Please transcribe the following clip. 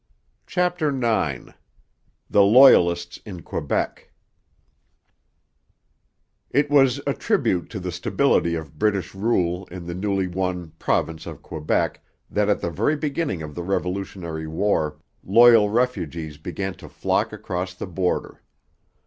CHAPTER IX THE LOYALISTS IN QUEBEC It was a tribute to the stability of British rule in the newly won province of Quebec that at the very beginning of the Revolutionary War loyal refugees began to flock across the border.